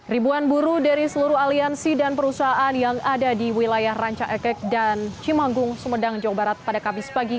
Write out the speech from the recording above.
ribuan buruh dari seluruh aliansi dan perusahaan yang ada di wilayah ranca ekek dan cimanggung sumedang jawa barat pada kamis pagi